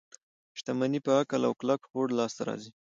شتمني په عقل او کلک هوډ لاس ته راځي.